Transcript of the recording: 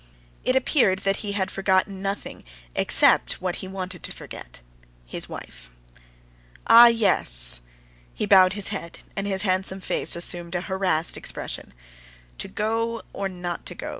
It appeared that he had forgotten nothing except what he wanted to forget—his wife. "Ah, yes!" He bowed his head, and his handsome face assumed a harassed expression. "To go, or not to go!"